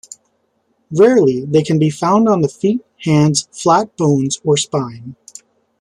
Rarely, they can be found on the feet, hands, flat bones, or spine.